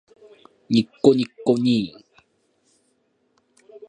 にっこにっこにー